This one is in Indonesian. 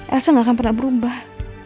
elsa gak akan pernah berubah